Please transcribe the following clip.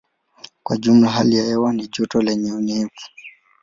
Kwa jumla hali ya hewa ni joto lenye unyevu.